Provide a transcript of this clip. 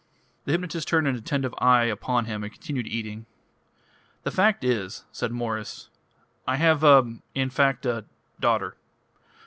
The hypnotist turned an attentive eye upon him, and continued eating. "The fact is," said Mwres, "I have a in fact a daughter.